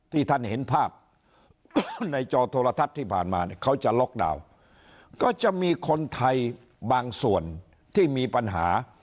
ที่ท่านเห็นภาพในจอโทรทัศน์ที่ผ่านมาเนี่ยเขาจะล็อกดาวน์ก็จะมีคนไทยบางส่วนที่มีปัญหา